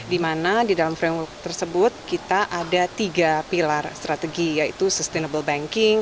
di mana di dalam framework tersebut kita ada tiga pilar strategi yaitu sustainable banking